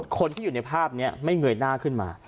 คนที่อยู่ในภาพนี้ไม่เงยหน้าขึ้นมา